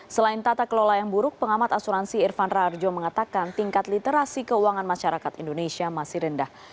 selain tata kelola yang buruk pengamat asuransi irfan rarjo mengatakan tingkat literasi keuangan masyarakat indonesia masih rendah